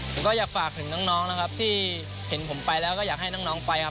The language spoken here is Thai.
ผมก็อยากฝากถึงน้องนะครับที่เห็นผมไปแล้วก็อยากให้น้องไปครับ